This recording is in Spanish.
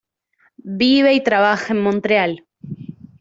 Vive y trabaja en Montreal.